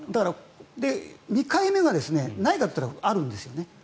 ２回目はないかといったらあるんです。